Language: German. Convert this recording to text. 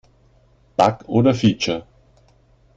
Bug oder Feature?